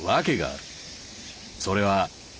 それは。